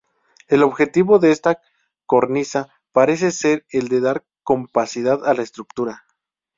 El objetivo de esta cornisa parece ser el de dar compacidad a la estructura.